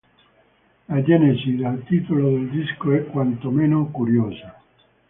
La genesi del titolo del disco è quanto meno curiosa.